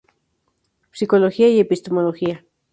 Psicología y Epistemología.